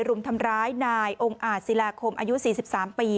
รุมทำร้ายนายองค์อาจศิลาคมอายุ๔๓ปี